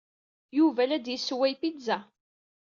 Yuba la d-yessewway tapizza.